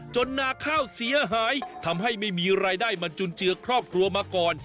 นาข้าวเสียหายทำให้ไม่มีรายได้มาจุนเจือครอบครัวมาก่อน